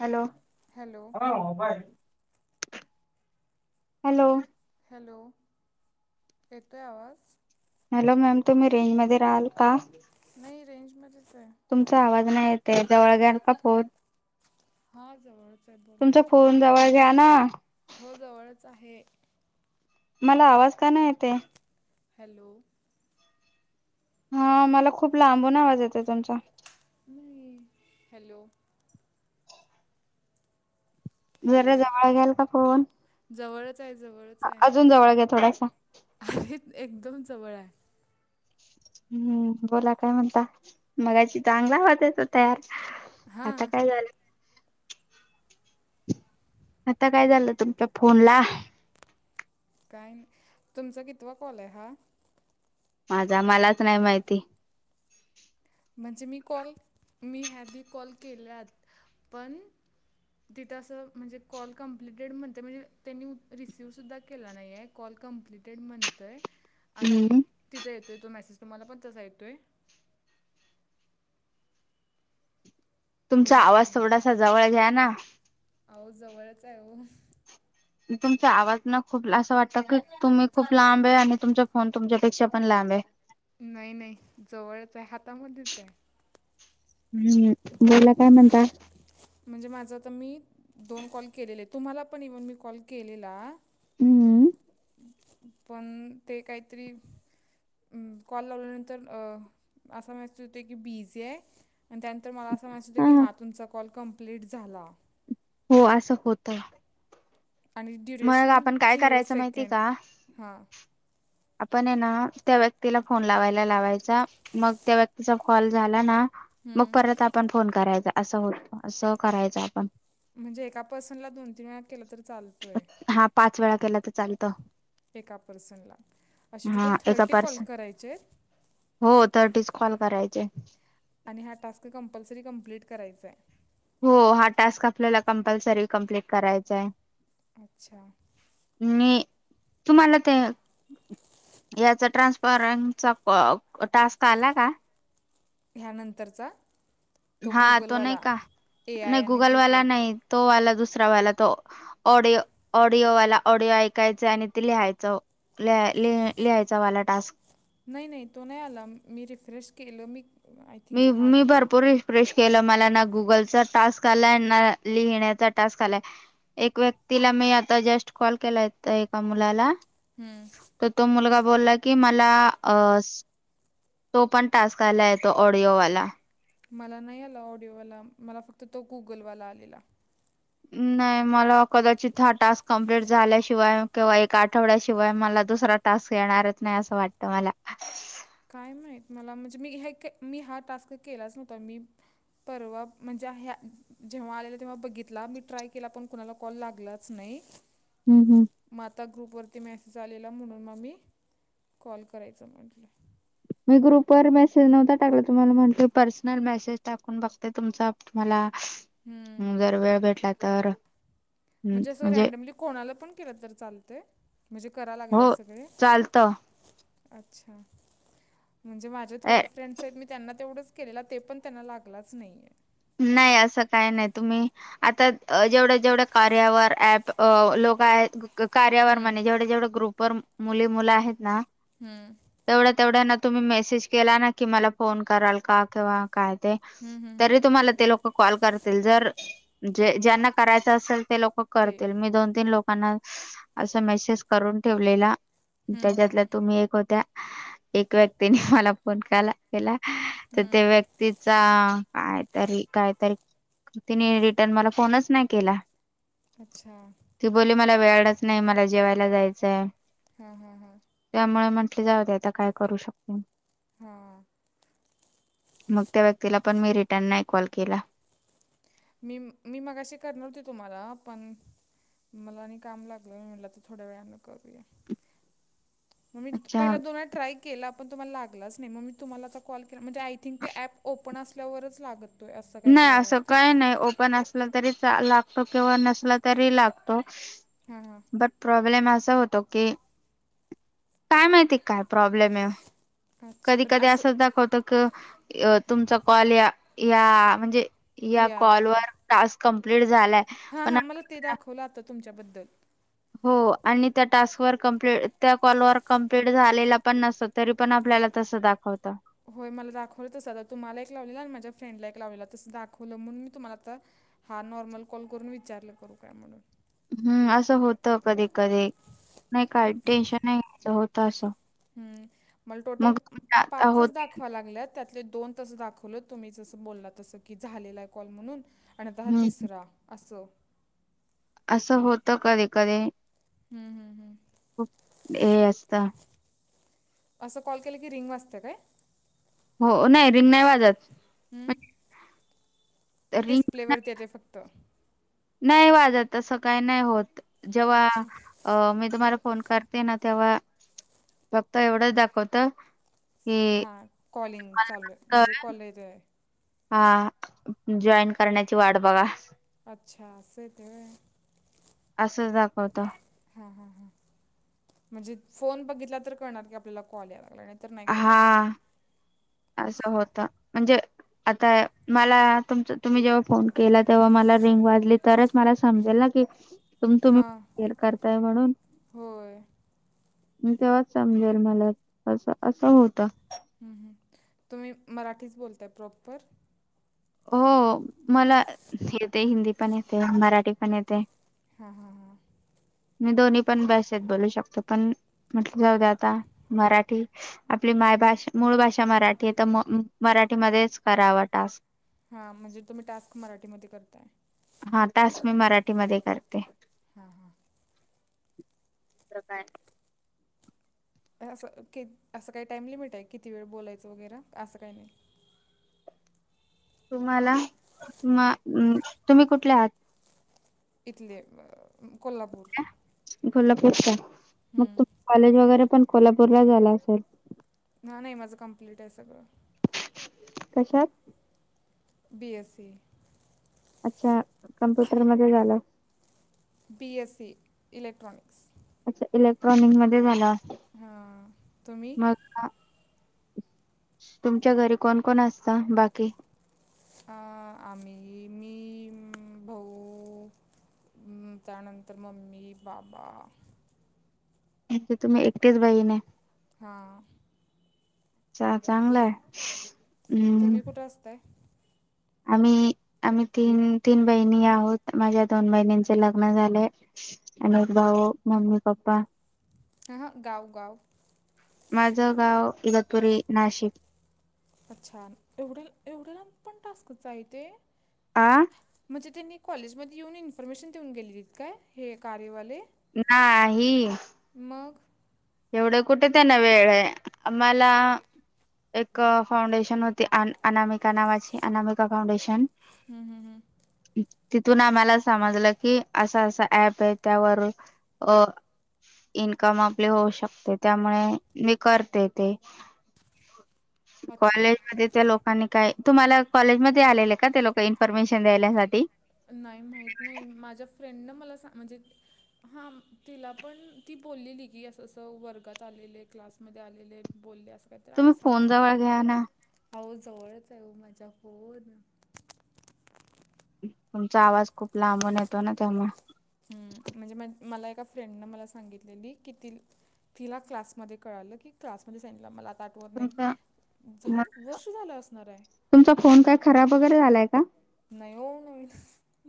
Hello! Hello हा म bye. Hello! Hello येतोय आवाज! हॅलो मॅम तुम्ही रेंज मध्ये राहाल का. नाही रेंजमध्ये. तुमचा आवाज नाही येते जवळ घ्याल का फोन. हा जवळ. तुमचा फोन जवळ घ्या ना. हो जवळच आहे. मला आवाज का नाही येत. हॅलो! हा मला खूप लांबून आवाज येतो तुमचा. नाही हॅलो! जरा हॅलो जवळ घ्याल का फोन. जवळच आहे जवळच आहे अजून जवळ घ्या थोडासा अर एकदम जवळ आहे. हम्म बोला काय म्हणता मगाची चांगलावतेत तयार. आता हां काय झालं. आता काय झालं तुमच्या फोन ला. का तुमचा कितवा कॉल आहे हा. माझा मलाच नाही माहिती. म्हणजे मी कॉल मी हॅवी कॉल केल्यात पण.. [unintelligible] [unintelligible] कं्प्टेड म्हणतय.. आणि हम्म तिचा येतोय तो मेसेज तुम्हाला पण तसा येतोय. तुमचा आवाज थोडासा जवळ घ्या ना. अह जवळच आहे हो. तुमचा आवाज ना खूप असं वाटतं की तुम्ही खूप लांब आहे आणि तुमचा फोन तुमच्यापेक्षा पण लांब आहे. नाही नाही जवळच आहे हातामध्येच आहे. हम्म बोोलला काय म्हणता. म्हणजे माझा तर मी दोन कॉल केलेले तुम्हाला पण इव्हन मी कॉल केलेला. हम्म. पण ते काहीतरी.. अं कॉल लावल्यानंतर अं असा माहित होत की बीज आहे. आणि त्यानंतर मला असं म्हणायचं होतं की हा तुमचा कॉल कंप्लीट झाला. हो असं होत. आणि ड्युरेशन झिरो माहिती सेकंड का हा. आपण आहे ना त्या व्यक्तीला फोन लावायला लावायचा मग त्या व्यक्तीचा कॉल झाला ना.. मग हम्म. परत आपण फोन करायचा असं होत असं करायचं आपण. म्हणजे एका पर्सनला दोन तीन वेळा केलं तर चालतोय हा पाच वेळा केला तर चालतं. एका पर्सनला असे टोटल हा एका थर्टी कॉल पर्सन करायचे आहेत. हो तर टीच कॉल करायचे. करायचंय.. हो हा टास्क आपल्याला कंपल्सरी कम्प्लीट करायचा आहे. अच्छा. मी तुम्हाला ते याचा ट्रान्सफरम चा टास्क आला का ह्यानंतरचा हा तो नाही का ए आय नाही आणि गुगल वाला नाही तोवाला दुसरा वाला तो ऑडि ऑडिओवाला ऑडिओ ऐकायच आणि ते लिहायचं ल लिहायचा वाला टास्क नाही नाही तो नाही आला मी रिफ्रेश केल मी आय मी थिंक हां मी भरपूर प्रेश केलं मला ना गुगलचा टास्क आलाय ना लिहिण्याचा टास्क आलाय एक व्यक् तिला मी आता जस्ट कॉल केलाय एका मुलाला हम्म. तर तो मुलगा बोला की मला तो पण टास्क आला येतो ऑडिओवाला मला नाही आला ऑडिओवाला मला फक्त तो गुगलवाला आलेला नाही मला कदाचित हा टास्क कंप्लीट झाल्याशिवाय किंवा एक आठवड्याशिवाय मला दुस टास्क येणारच नाही अस वाटत मला काय माहित त मला म्हणजे मी ह मी हा टास्क केलाच नव्हता मी परवा म्हणजे जेव्हा आलेल्या तेव्हा बघितला मी ट्राय केला पण कुणाला कॉल लागलाच नाही हम् हम मग आता ग्रुप वर मेसेज आलेला म्हणून मग मी कॉल करायचं म्हटलं मी ग्रुप वर मेसेज नव्हता टाकला तुम्हाला म्हटलं पर्सनल मेसेज टाकून बघते तुमचा तुमला हम्म. जर वेळ भेटला तर म्हणजे असं रॅडमली कोणाला पण केलं तर चालते म्हणजे करा लागलंय हो सगळे चालत अच्छा म्हणजे माझ्या थोड्या फ्रेंड्स आहेत मी त्यांना तेवढंच केलेला ते पण त्यांना लागलाच नाहीये नाही असं काही नाही तुम्ही आता जेवढ जेवढ्या कार्यावर ऍप लोक कार्यावर हम्म, म्हणे जेवढे जेवढे ग्रुप व मुली मुलं आहेत ना हम्म तेवढ तुम्ही मेज केला क म फोन कराल का काय ते तुम्हाला ते लोक कॉल करतील जर ज्यांना करायच असेल ते लोक ते करतील मी दोन तीन लोकांना असं मेसेज करून ठेवलेला त्याच्यातल्या तुम्ही एक होत्या एक व्यक्तीने मला फोन केला केला. तर ते व्यक्तीचा काय? तरी कायतरी तिने रिटर्न मला फोनच नाही केला. अच्छा ती बोली मला वेळ च नाही मला जेवायला जायचंय. हम्म हम्म हम्. जाते आता काय करू शकते. हम. मग त्या व्यक्तीला पण मी रिटर्न नाही कॉल केला. मी मी मगाशी करणार होती तुम्हाला पण मला आणि काम लागलं म्हटलं तर थोड्या वेळानं करूया. मग मी अच्छा पहिला दोन वेळा ट्राय केला पण तुम्हाला लागलाच नाही मग मी तुम्हाला आता कॉल म्हणजे आय थिंक ते ॲप ओपन असल्यावरच लागत. नाही असं काही नाही ओपन असलं तरी लागतो किंवा नसला तरी लागतो. हां हां बट प्रॉब्लेम असा होतो की काय माहिती काय प्रॉब्लेम आहे. अच्छा कधी अरे कधी असं दाखवत क तुमचा कॉल या या म्हणजे या कॉलवरर टास्क काम. हा हा मला ते दाखवलं आता तुमच्याबद्दल हो आणि त्या टास्क वर कमप्लीट त्या कॉलवरर कम्प्लीट झालेला पण नसत तरी पण आपल्याला तस. असं दाखवत. होय मला दाखवलं तसं आता तुम्हाला एक लावलेलं आणि माझ्या् फ्रेड ला एक लावलेला तस दाखवलं म्हणून मी तुम्हाला आता. हा नॉर्मल कॉल करून विचारलं करू काय म्हणून हम्म असं होत कधी कधी नाही काय टेन्शन नाहीच होत असं. हम् मला टोटल मग आता होत पाचच दाखवा लागल्यात. त्यातले दोन तस दाखवल तुम्ही जसं बोलला तसं की झालेलं आहे कॉल म्हणून आणिता हा हं तिसरा असं. असं होत कधे कधे हं, हं, हं. खूप हे असता. असं कॉल केलं की रिंग वाचत काय? हो नाही रिमनाय वाजत. रिंग डिस्प्ले वरती येते फक्त नाही वाजत तसं काय नाही होत जेव्हा अच्छा. मी तुम्हाला फोन. करते ना तेव्हा फक्त एवढंच दाखवत. हा कॉलिंग चालू आहे म्हणजे कॉलेज आहे. हा जॉईन करण्याची वाट बघा. अच्छा अस तर असंच दाखवत. णज फोन बघितला आपल्याला कॉल. नाही तरर नाही करळणार. हां असं होत म्हणजे आता मला तुमच तुम्ही जेव्हा फोन केला तेव्हा मला रिंग वाजली तरच मला समजेल ना की तुम हां. तुम्हीर करताय म्हणून होय. मी तेव्हाच समजेल मला असं असं होतं. हम् हम् तुम्ही मराठीच बोलताय प्रॉपर. हो मला येते हिंदी पण येते मराठी पण येते. हां, हां, हां. मी दोन्ही पण बस आहेत बोलू शकतो. पण म्हटलं जाऊ द्या आता मराठी आपली मायभषा मूळ भाषा मराठी आहे तर मराठीमध्येच करावं टास्. हा म्हणजे तुम्ही टास्क मराठीमध्ये करताय. हा टास्क मी मराठीमध्ये करते. हा हा प्रकार असं असं काही टाइम लिमिट आहे किती वेळ बोलायचं वगैर असं काही नाही तुम्हाला तुम्ही कुठले आहात इथले कोल्हापूर कोल्हापूरचा मग हम्म. तुम कॉलेज वगैरे पण कोल्हापूरला झाला असेल ह नाही माझं कम्प्लीट आहे सगळं कशात बी एससी अच्छा कम्प्युटर मध्ये झालं बी एससी इलेक्ट्रनिक्स अच्छा इलेक्ट्रॉनिक मध्ये झाला हा तुम्ही मग तुमच्या घरी कोण कोण असत बाकी अ आम्ही मी भाऊ त्यानंतर मम्मी बाबा तुम्ही एकटेच बाईने हा चांगलंय तुम्ही कुठं असताय आम्ही आम्ही तीन तीन बहिणी आहोत माझ्या दोन बहिणींचे लग्न झाले आणि भाव मम्मी पप्पा ह गावगाव माझं गाव इतपुरी नाशिक अच्छा एवढ्या एवढ्याला पण टास्कचय तेे आह म्हणजे त्यांनी कॉलेजमध्येध्ये येऊन इन्फॉर्मेशन देऊन गेलेलीत काय हे कार्यवाले नाही मग एवढं कुठे त्यां ना वेळ आहे आम्हाला एक फाउंडेशन होती अनामिका नावाची अनामिका फाउंडेशन हम्म हम्म हम्म तिथून आम्हाला समजलं की असा असा ऍप आहे त्यावर अ इन्कम आपले होऊ शकते त्यामुळे मी करते ते अच्छा कॉलेज मध्ये त्या लोकांनी काय तुम्हाला कॉलेजमध्येध्ये आलेले आहे का ते लोक इन्फॉर्मेशन देण्यासाठी नाही माहित नाही माझ्या फ्रेंड न मला म्हणजे हा तिला पण ती बोललेली की असं वर्गात आलेले क्लासमध्ये आलेले बोलले अस तुम्ही फोन जवळ घ्या ना आह जवळच जाहऊ माझ्या फोन तुमचा आवाज खूप लांबून येतो ना त्यामुळे हम्म, म्हणजे म मला एका फ्रेंडनं मला सांगितलेली कि ति तिला क्लासमध्येध्ये कळालं की क्लासमध्येध्ये सनीला मला आता आठवत नाही तुमचा झालं वर्ष झालं असणार आहे तुमचा फोन काय खराब वगैरे झालाय का नाहीय नाही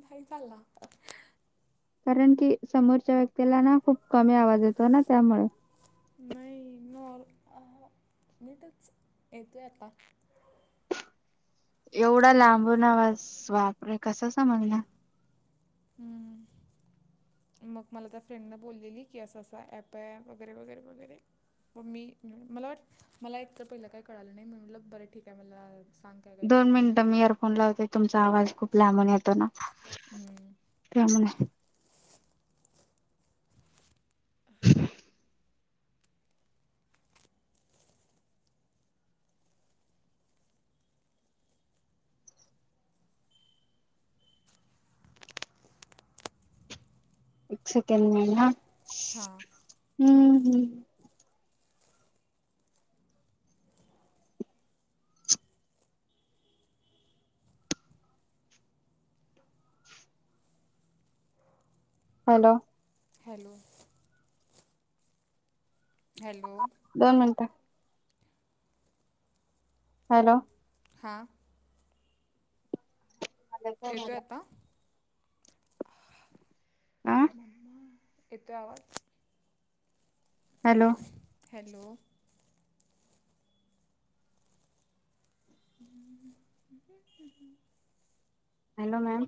नाही झालाला कारण की समोरच्या व्यक्तीला ना खूप कमी आवाज येतो ना त्यामुळे नाही नॉ मी तरच येतो आता एवढा लांब नवाज वापरे कस समजलं हम्म मग मला त्या फ्रेंड न बोललेली की असं असा ऍप आहे वगैरे वगैरे वगैरे मग मी मला वाट मला एकतर पहिलं काही कळालं नाही म्हणटलं बरं ठीक आहे मला सांग काय काय दोन करायचं मग मिनिटं मी केलं इयरफोन लावते तुमचा आवाज खूप लांबून येतोय ना हम्म. त्याने एक सेकंड महि ना हा हॅलो हॅलो हॅलो दोन मिनट हॅलो हां येतोय आता अ मला येतो आवाज हॅलो हॅलो हम्म हम् ह् ह हॅलो मॅम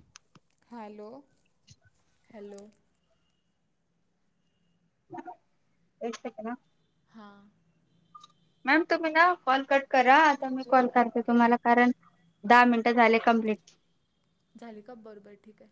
हॅलो हॅलो क ना हां मॅम तुम्ही ना कॉल कट करा आता मी कॉल करते तुम्हाला कारण दहा मिनटं झाले कंप्लिट. झाले का बर बर ठीक हाय.